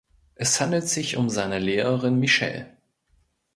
Es handelt sich um seine Lehrerin Michelle.